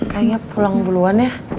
kayaknya pulang duluan ya